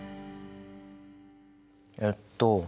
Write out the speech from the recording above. えっと